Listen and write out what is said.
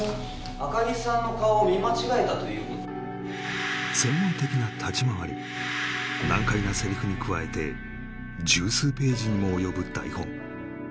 赤木さんの顔を見間違えたという難解なセリフに加えて十数ページにも及ぶ台本